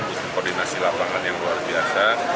untuk koordinasi lapangan yang luar biasa